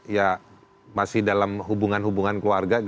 ya masih dalam hubungan hubungan keluarga